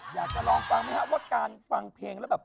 อยากจะลองฟังไหมครับว่าการฟังเพลงแล้วแบบ